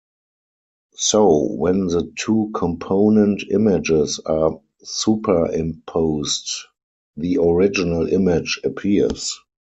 So, when the two component images are superimposed, the original image appears.